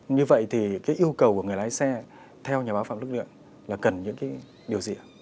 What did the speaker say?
như vậy thì cái yêu cầu của người lái xe theo nhà báo phạm đức luyện là cần những cái điều gì ạ